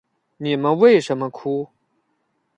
你们为什么哭？